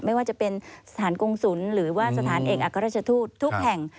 ไม่ว่าจะเป็นสถานกงศุลหรือว่าสถานเอกอัครราชทูตทุกแห่ง